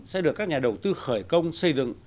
sẽ được các nhà đầu tư khởi công xây dựng